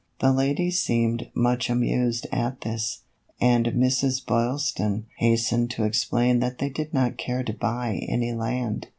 The ladies seemed much amused at this, and Mrs. Boylston hastened to explain that they did not care to buy any land.